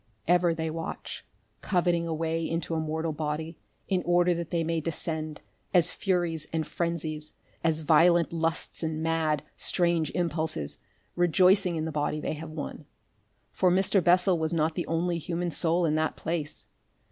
Ever they watch, coveting a way into a mortal body, in order that they may descend, as furies and frenzies, as violent lusts and mad, strange impulses, rejoicing in the body they have won. For Mr. Bessel was not the only human soul in that place.